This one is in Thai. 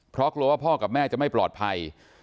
เพราะกลัวว่าพ่อกับแม่จะไม่ปลอดภัย